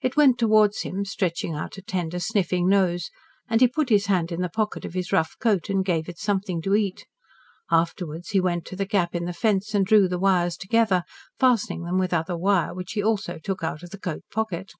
It went towards him, stretching out a tender sniffing nose, and he put his hand in the pocket of his rough coat and gave it something to eat. Afterwards he went to the gap in the fence and drew the wires together, fastening them with other wire, which he also took out of the coat pocket.